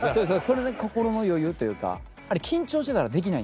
それで心の余裕というか。